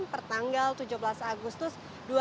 pertanggal tujuh belas agustus dua ribu dua puluh